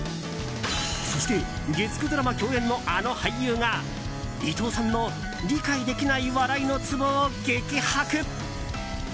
そして、月９ドラマ共演のあの俳優が伊藤さんの理解できない笑いのツボを激白。